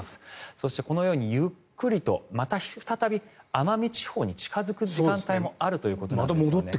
そして、このようにゆっくりとまた再び奄美地方に近付く時間帯もあるということなんですよね。